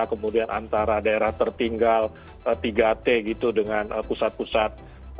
kemudian antara daerah tertinggal tiga t gitu dengan pusat pusat